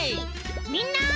みんな。